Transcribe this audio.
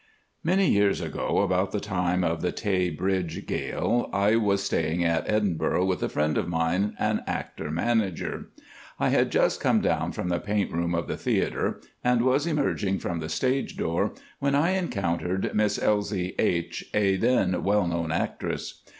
Many years ago, about the time of the Tay Bridge gale, I was staying at Edinburgh with a friend of mine, an actor manager. I had just come down from the paint room of the theatre, and was emerging from the stage door, when I encountered Miss Elsie H⸺, a then well known actress.